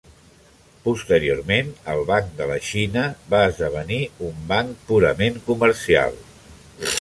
Posteriorment, el Banc de la Xina va esdevenir un banc purament comercial.